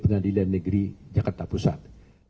pengadilan negeri jakarta pusat